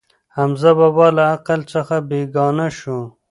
حمزه بابا له عقل څخه بېګانه شو.